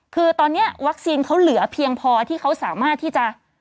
คือตอนนี้วัคซีนเขาเหลือเพียงพอที่เขาสามารถที่จะ